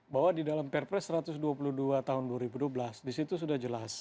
bahwa di dalam perpres satu ratus dua puluh dua tahun dua ribu dua belas disitu sudah jelas